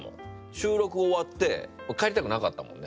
収録終わって帰りたくなかったもんね。